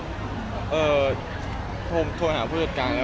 พูดสวัสดิ์ช่วยหาผู้จุดการ